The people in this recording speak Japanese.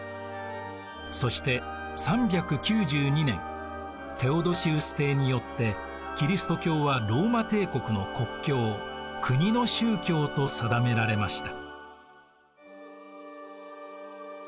そして３９２年テオドシウス帝によってキリスト教はローマ帝国の国教国の宗教と定められました。